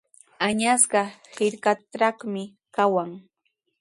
Añasqa hirkatraqmi kawan.